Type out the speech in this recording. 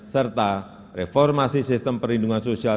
serta reformasi sistem perlindungan sosial